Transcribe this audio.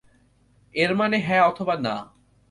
এর মানে হ্যাঁ অথবা না।